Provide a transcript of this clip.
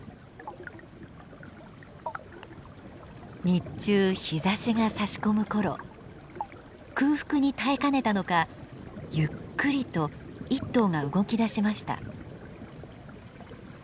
日中日ざしがさし込む頃空腹に耐えかねたのかゆっくりと１頭が動きだしました。